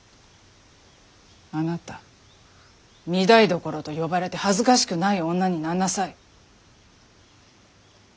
あなた御台所と呼ばれて恥ずかしくない女になんなさい。